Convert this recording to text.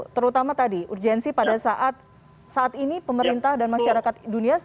terutama tadi urgensi pada saat ini pemerintah dan masyarakat dunia